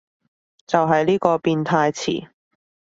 就係呢個變態詞